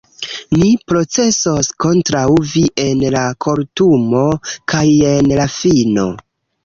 ni procesos kontraŭ vi en la kortumo, kaj jen la fino.